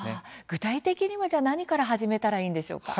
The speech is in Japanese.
具体的には何から始めたらいいんでしょうか。